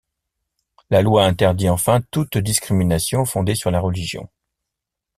La loi interdit enfin toute discrimination fondée sur la religion.